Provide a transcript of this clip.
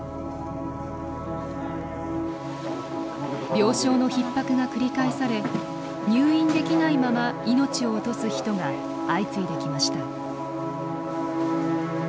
病床のひっ迫が繰り返され入院できないまま命を落とす人が相次いできました。